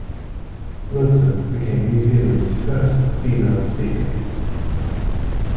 Wilson became New Zealand's first female speaker.